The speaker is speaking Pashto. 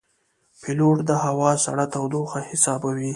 پیلوټ د هوا سړه تودوخه حسابوي.